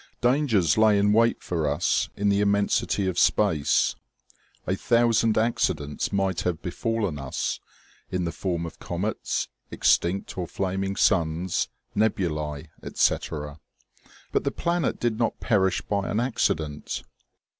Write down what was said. Dangers lay in wait for us in the immensity of space ; a thousand accidents might have befallen us, in the form of comets, extinct or flaming suns, nebulae, etc. But the planet did not perish by an accident.